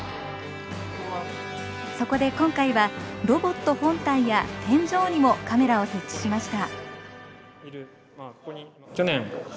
そこで今回はロボット本体や天井にもカメラを設置しました。